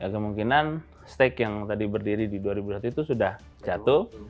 kemungkinan stake yang tadi berdiri di dua ribu dua puluh itu sudah jatuh